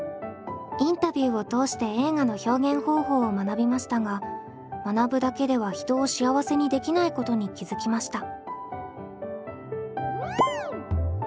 インタビューを通して映画の表現方法を学びましたが学ぶだけでは人を幸せにできないことに気付きました。